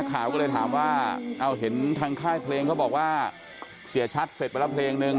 ข่าวก็เลยถามว่าเอาเห็นทางค่ายเพลงเขาบอกว่าเสียชัดเสร็จไปแล้วเพลงนึง